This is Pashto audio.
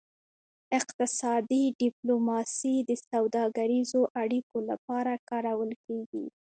اقتصادي ډیپلوماسي د سوداګریزو اړیکو لپاره کارول کیږي